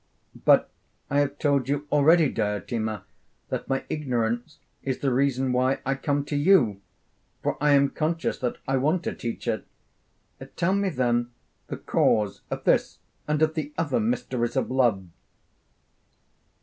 'But I have told you already, Diotima, that my ignorance is the reason why I come to you; for I am conscious that I want a teacher; tell me then the cause of this and of the other mysteries of love.'